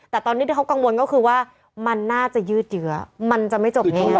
แต่ตอนนี้ที่เขากังวลก็คือว่ามันน่าจะยืดเยื้อมันจะไม่จบง่าย